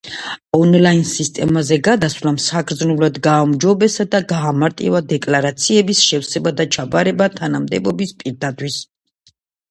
ონლაინ სისტემაზე გადასვლამ საგრძნობლად გააუმჯობესა და გაამარტივა დეკლარაციების შევსება და ჩაბარება თანამდებობის პირთათვის.